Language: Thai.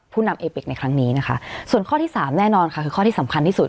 นำเอปิกในครั้งนี้นะคะส่วนข้อที่สามแน่นอนค่ะคือข้อที่สำคัญที่สุด